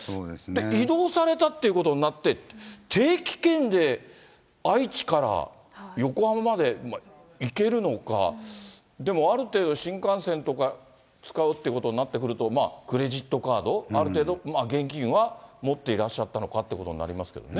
移動されたっていうことになって、定期券で愛知から横浜まで行けるのか、でもある程度新幹線とか使うっていうことになってくるとクレジットカード、ある程度、現金は持ってらっしゃったのかということになりますよね。